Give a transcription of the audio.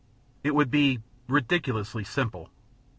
It would be ridiculously simple.